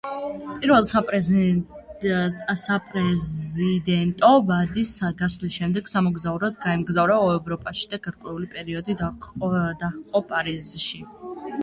პირველი საპრეზიდენტო ვადის გასვლის შემდეგ სამოგზაუროდ გაემგზავრა ევროპაში და გარკვეული პერიოდი დაჰყო პარიზში.